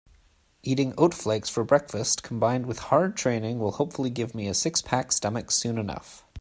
Eating oat flakes for breakfast combined with hard training will hopefully give me a six-pack stomach soon enough.